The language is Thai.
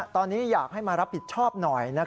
ตอนนี้อยากให้มารับผิดชอบหน่อย